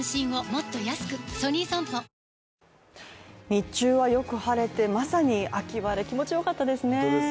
日中はよく晴れてまさに秋晴れ気持ちよかったですね。